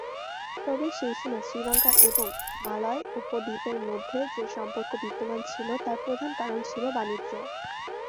তবে সেইময়, শ্রীলঙ্কা এবং মালয় উপদ্বীপ এর মধ্যে যে সম্পর্ক বিদ্যমান ছিল, তার প্রধান কারণ ছিল বাণিজ্য।।